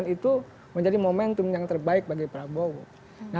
itu menjadi momentum yang terbaik bagi prabowo